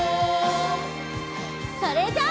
それじゃあ。